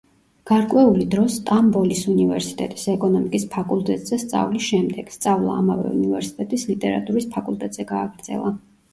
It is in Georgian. გარკვეული დრო სტამბოლის უნივერსიტეტის ეკონომიკის ფაკულტეტზე სწავლის შემდეგ, სწავლა ამავე უნივერსიტეტის ლიტერატურის ფაკულტეტზე გააგრძელა.